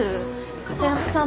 片山さん